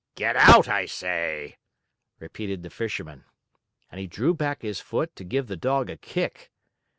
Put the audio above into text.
"Get out, I say!" repeated the Fisherman. And he drew back his foot to give the Dog a kick.